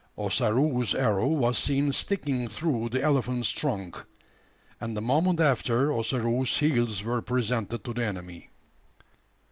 Ossaroo's arrow was seen sticking through the elephant's trunk; and the moment after Ossaroo's heels were presented to the enemy.